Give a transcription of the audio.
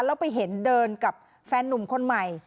แล้วไปเห็นเดินกับแฟนนุ่มคนใหม่